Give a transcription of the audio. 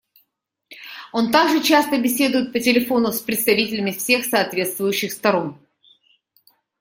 Он также часто беседует по телефону с представителями всех соответствующих сторон.